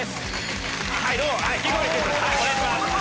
はいどうもお願いします。